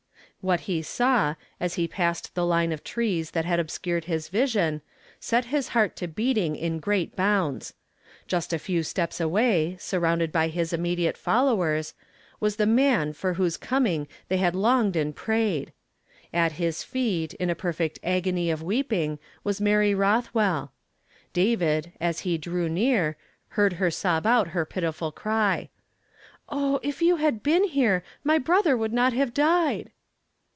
AVhat he saw, as he ])asse(l (he line of trees that had ohseured his vision, set his heart to l)eatin<( in great honnds. Jnst a fi;w steps away, sui" ronnded by his innnediate foliowcu s, was the man for whose coming they had longed and i)raye(l. At his feet, in a perfecit agony of wjeping, was Mary Uothwell. David, as he drew near, heard her sob ont her ])itifnl erv :■'' Oh, if you had been here, my brother would not have died